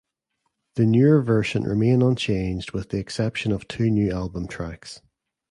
The newer version remain unchanged with the exception of two new album tracks.